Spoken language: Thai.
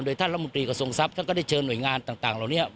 ท่านรัฐมนตรีกระทรงทรัพย์ท่านก็ได้เชิญหน่วยงานต่างเหล่านี้